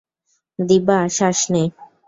দিব্যা, শ্বাস নে।